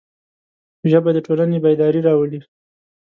ژبه د ټولنې بیداري راولي